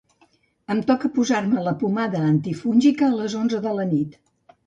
Em toca posar-me la pomada antifúngica a les onze de la nit.